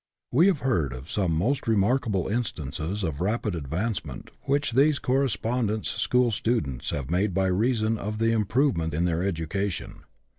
We have heard of some most remarkable instances of rapid advancement which these correcpondence school students have made by reason of the improvement in their education.